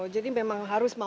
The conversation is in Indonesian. jadi memang harus mau diadir